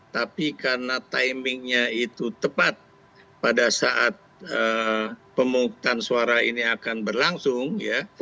tapi karena timingnya itu tepat pada saat pemungutan suara ini akan berlangsung ya